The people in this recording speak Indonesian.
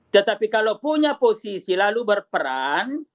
tetapi kalau punya posisi lalu berperan